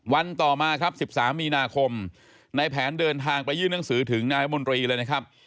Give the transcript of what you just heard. วันต่อมาครับ๑๓มีนาคมนายแผนเดินทางไปยื่นหนังสือถึงนายรัฐมนตรีเลยนะครับ